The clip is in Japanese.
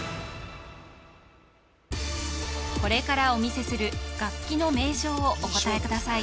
これからお見せする楽器の名称をお答えください